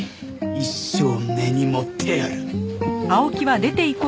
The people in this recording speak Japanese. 一生根に持ってやる！